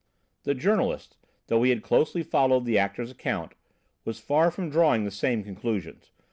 The journalist, though he had closely followed the actor's account, was far from drawing the same conclusions.